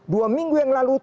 dua minggu yang lalu